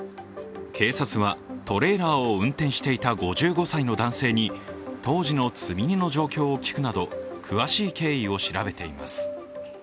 警察はトレーラーを運転していた５５歳の男性に当時の積み荷の状況を聞くなど詳しい経緯を調べています。